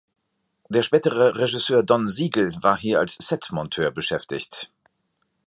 Der spätere Regisseur Don Siegel war hier als Set-Monteur beschäftigt.